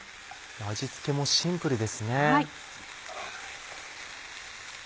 味付けもシンプルですね。